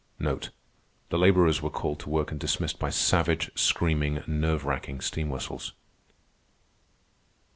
The laborers were called to work and dismissed by savage, screaming, nerve racking steam whistles.